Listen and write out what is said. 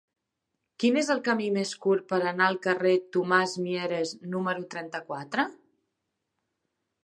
Quin és el camí més curt per anar al carrer de Tomàs Mieres número trenta-quatre?